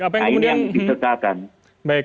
nah ini yang ditetapkan